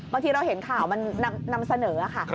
บางทีเราเห็นข่าวมันนำเสนอค่ะ